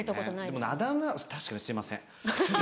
でもあだ名確かにすいません。